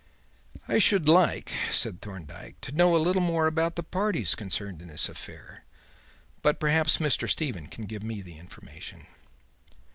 "I should like," said Thorndyke, "to know a little more about the parties concerned in this affair. But perhaps Mr. Stephen can give me the information."